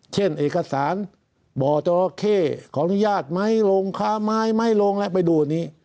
เช่นเอกสารบ่จรเข้ของญาติไม่ลงค้าไม้ไม่ลงและไปดูอันนี้